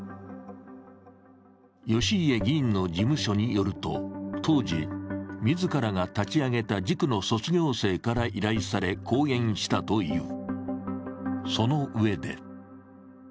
義家議員の事務所によると、当時、自らが立ち上げた塾の卒業生から依頼され、講演したという。